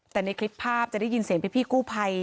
แต่ในคลิปภาพจะได้ยินเสียงพี่กู้ภัย